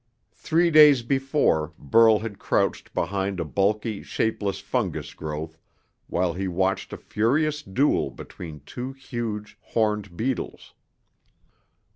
Three days before, Burl had crouched behind a bulky, shapeless fungus growth while he watched a furious duel between two huge horned beetles.